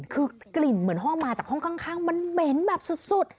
คือกลิ่นเหมือนห้องมาจากห้องข้างมันเหม็นแบบสุด